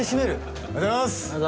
おはようございます